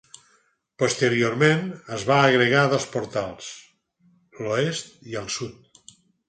Posteriorment, es van agregar dos portals, l'oest i el sud.